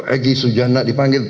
egy sujana dipanggil